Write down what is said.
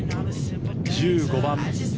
１５番